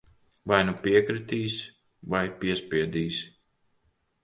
Vai nu piekritīs, vai piespiedīsi.